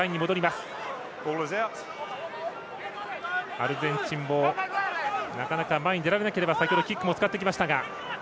アルゼンチンもなかなか前に出られなければ先ほどキックも使ってきました。